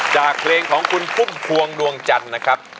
จากเพลงของคุณพุ่มพวงดวงจันทร์นะครับ